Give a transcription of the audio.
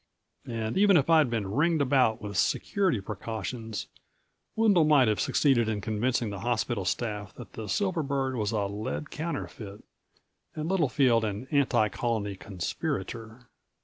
And even if I'd been ringed about with security precautions Wendel might have succeeded in convincing the hospital staff that the silver bird was a lead counterfeit and Littlefield an anti Colony conspirator.